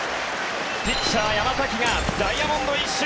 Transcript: ピッチャー、山崎がダイヤモンド１周。